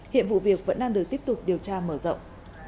hiện vụ việc vẫn đang được tiếp tục điều tra mở rộng